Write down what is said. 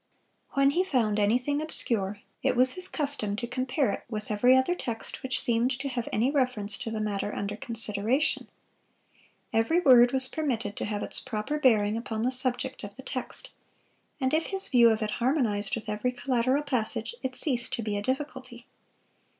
When he found anything obscure, it was his custom to compare it with every other text which seemed to have any reference to the matter under consideration. Every word was permitted to have its proper bearing upon the subject of the text, and if his view of it harmonized with every collateral passage, it ceased to be a difficulty.